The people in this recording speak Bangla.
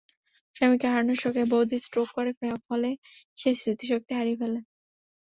স্বামী হারানোর শোকে বৌদি স্ট্রোক করে, ফলে সে স্মৃতিশক্তি হারিয়ে ফেলে।